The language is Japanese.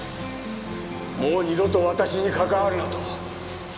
もう二度と私に関わるなと。